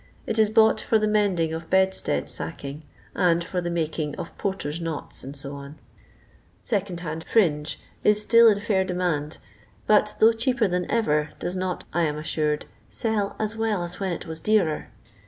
It is bought for the mending of bed stead sacking, and for the making of porters' knots, &c. Second hand Fnnge U still in fair demand, but though cheaper than ever, does not, I am assured, "sell so well as when it was dearer."